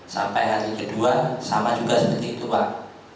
sampai hari kedua sama juga seperti itu pak